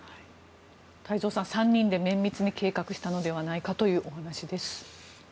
太蔵さん、３人で綿密に計画したのではないかというお話です。